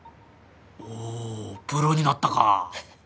おおプロになったか！